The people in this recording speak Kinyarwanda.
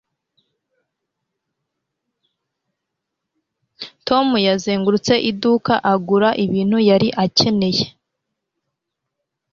Tom yazengurutse iduka agura ibintu yari akeneye